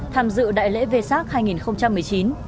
tham dự đại lễ về sát hai nghìn một mươi chín